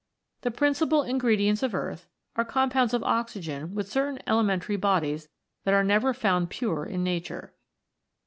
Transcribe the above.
The principal ingredients of Earth, are compounds of oxygen with certain elementary bodies that are never found pure in nature.